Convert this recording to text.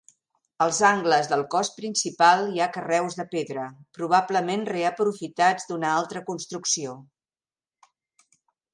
Als angles del cos principal hi ha carreus de pedra, probablement reaprofitats d'una altra construcció.